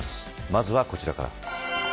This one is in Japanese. まずはこちらから。